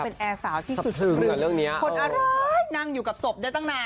เป็นแอร์สาวที่สุดสรึงคนอะไรนั่งอยู่กับศพได้ตั้งนาน